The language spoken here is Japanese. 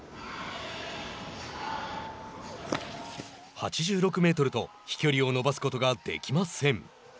８６メートルと飛距離を伸ばすことができません。